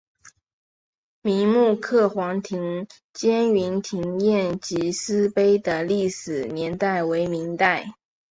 明摹刻黄庭坚云亭宴集诗碑的历史年代为明代。